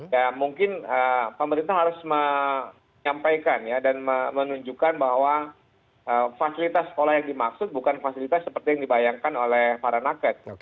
ya mungkin pemerintah harus menyampaikan ya dan menunjukkan bahwa fasilitas sekolah yang dimaksud bukan fasilitas seperti yang dibayangkan oleh para naket